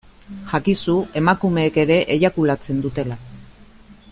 Jakizu emakumeek ere eiakulatzen dutela.